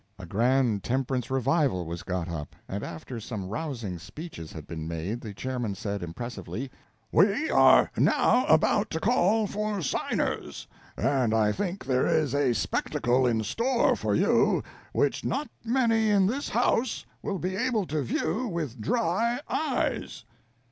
A grand temperance revival was got up, and after some rousing speeches had been made the chairman said, impressively: "We are not about to call for signers; and I think there is a spectacle in store for you which not many in this house will be able to view with dry eyes."